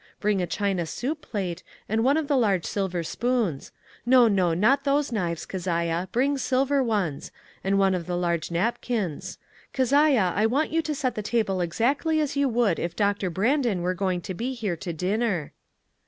Bring a china soup plate, and one of the .large silver spoons. No, no; not those knives, Keziah, bring silver ones, and one of the large napkins. Keziah, I want you to set the table exactly as you would if Doctor Brandon were going to be here to dinner."